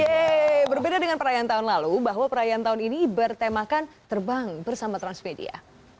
yeay berbeda dengan perayaan tahun lalu bahwa perayaan tahun ini bertemakan terbang bersama transmedia